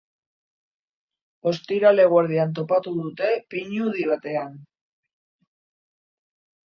Ostiral eguerdian topatu dute, pinudi batean.